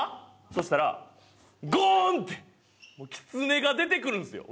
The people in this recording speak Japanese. そしたらゴーン！って狐が出てくるんですよ。